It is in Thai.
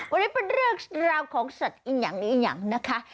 วันนี้เป็นเรื่องราวของสัตว์อินยังอินยังนะคะ